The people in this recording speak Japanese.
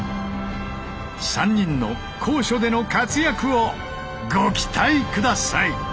３人の高所での活躍をご期待下さい！